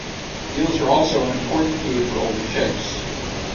Eels are also an important food for older chicks.